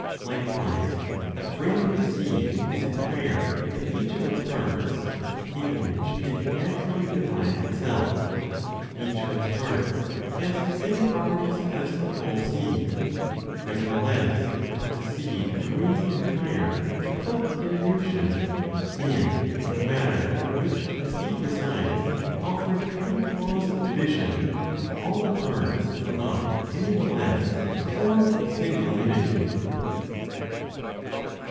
Likewise, a grain of seed is entire in each of its parts in which it naturally divides itself; each of its parts has the same properties as the whole seed; nevertheless the seed remains entire, without diminution; and if the matter (in which the seed resides) offer it any cause of division, all the parts will not any the less form a single unity.